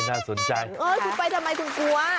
เออถูกไปทำไมถูกกลัว